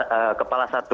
dari keterangan kepala satu